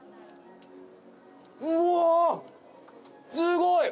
うわ、すごい！